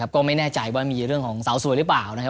ก็ไม่แน่ใจว่ามีเรื่องของสาวสวยหรือเปล่านะครับ